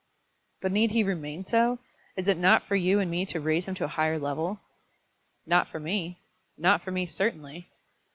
"But need he remain so? Is it not for you and me to raise him to a higher level?" "Not for me not for me, certainly.